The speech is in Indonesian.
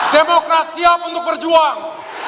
demokrat siap untuk berjuang